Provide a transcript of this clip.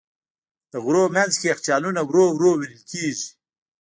د غرونو منځ کې یخچالونه ورو ورو وېلې کېږي.